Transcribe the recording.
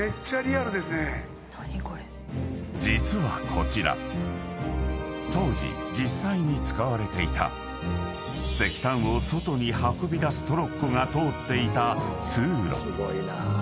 ［実はこちら当時実際に使われていた石炭を外に運び出すトロッコが通っていた通路］